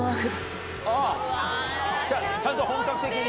あぁちゃんと本格的に。